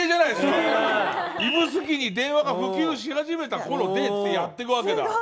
指宿に電話が普及し始めた頃でってやってくわけだ。